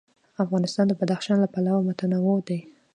افغانستان د بدخشان له پلوه متنوع دی.